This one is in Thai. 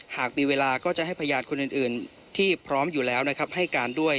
หากมีเวลาก็จะให้พยานคนอื่นที่พร้อมอยู่แล้วนะครับให้การด้วย